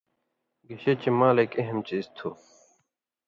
گِشے چے مال ایک اہم څیز تُھو